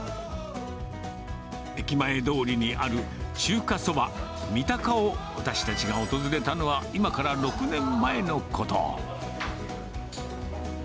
駅前通りにある中華そばみたかを私たちが訪れたのは、今から６年前のこと。